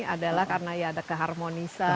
adalah karena ya ada keharmonisan